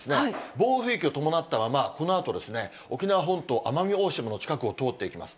暴風域を伴ったまま、このあと沖縄本島・奄美大島の近くを通っていきます。